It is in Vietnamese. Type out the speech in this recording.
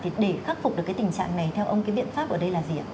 thì để khắc phục được cái tình trạng này theo ông cái biện pháp ở đây là gì ạ